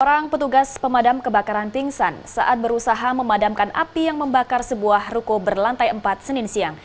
orang petugas pemadam kebakaran pingsan saat berusaha memadamkan api yang membakar sebuah ruko berlantai empat senin siang